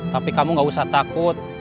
tapi kamu gak usah takut